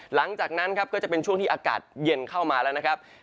หลังจากนั้นครับก็จะเป็นช่วงที่อากาศเย็นเข้ามาแล้วนะครับ